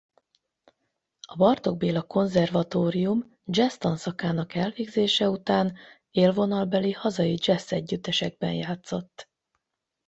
A Bartók Béla Konzervatórium jazz tanszakának elvégzése után élvonalbeli hazai jazz együttesekben játszott.